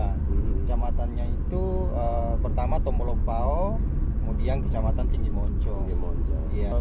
kecamatannya itu pertama tomolopao kemudian kecamatan tinggi mojo